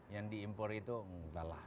yang diimpor itu entahlah